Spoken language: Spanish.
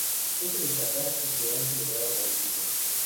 Es de destacar que se han celebrado bautizos.